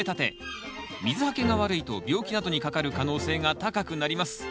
水はけが悪いと病気などにかかる可能性が高くなります。